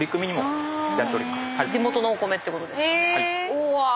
うわ！